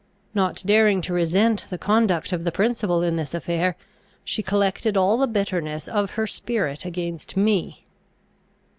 Not daring to resent the conduct of the principal in this affair, she collected all the bitterness of her spirit against me.